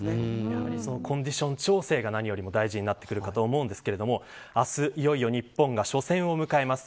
やはりコンディション調整が何よりも大事になってくるかと思うんですが明日、いよいよ日本が初戦を迎えます。